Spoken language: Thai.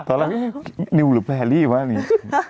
ตอนแรกนิวหรือแพรรี่วะนี้